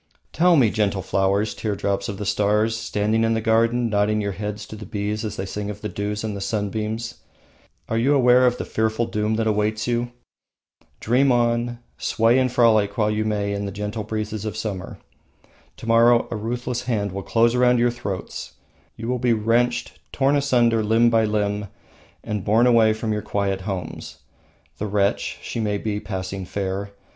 Tell me, gentle flowers, teardrops of the stars, standing in the garden, nodding your heads to the bees as they sing of the dews and the sunbeams, are you aware of the fearful doom that awaits you? Dream on, sway and frolic while you may in the gentle breezes of summer. To morrow a ruthless hand will close around your throats. You will be wrenched, torn asunder limb by limb, and borne away from your quiet homes. The wretch, she may be passing fair.